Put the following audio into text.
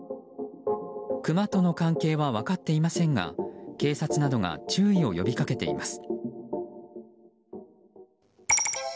クマとの関係は分かっていませんが警察などが注意を呼び掛けています。